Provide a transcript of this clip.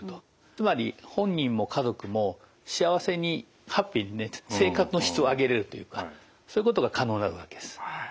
つまり本人も家族も幸せにハッピーになって生活の質を上げれるというかそういうことが可能になるわけです。